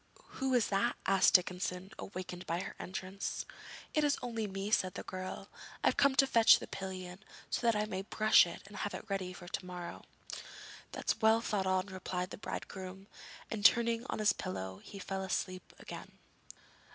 'Who is that?' asked Dickinson, awakened by her entrance. 'It is only me,' said the girl; 'I've come to fetch the pillion, so that I may brush it and have it ready for to morrow.' 'That's well thought on,' replied the bridegroom; and, turning on his pillow, he fell asleep again.